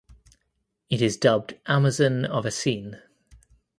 It is dubbed "Amazon of Asean".